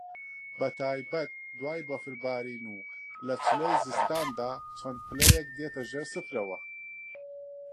بە تایبەت دوای بەفربارین و لە چلەی زستان دا چەند پلەیەک دێتە ژێر سفرەوە